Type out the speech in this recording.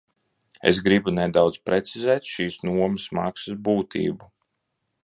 Es gribu nedaudz precizēt šīs nomas maksas būtību.